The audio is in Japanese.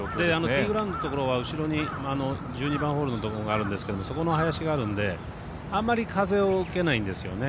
ティーグラウンドのところは後ろに１２番ホールのところがあるんですけどそこの林があるんであんまり風を受けないんですよね。